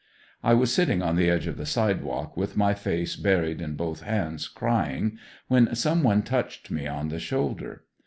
I was sitting on the edge of the sidewalk, with my face buried in both hands, crying, when someone touched me on the shoulder.